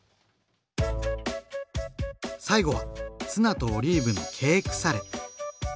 最後はツナとオリーブのケークサレ。